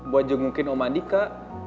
buat jengukin om andika